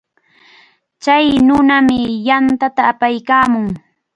Chay nunami yantata apaykaamun.